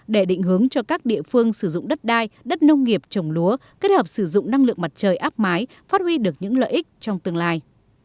để định hướng cho các địa phương sử dụng đất đai đất nông nghiệp trồng lúa kết hợp sử dụng năng lượng mặt trời áp mái phát huy được những lợi ích trong tương lai